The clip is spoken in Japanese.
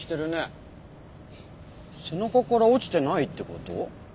背中から落ちてないって事？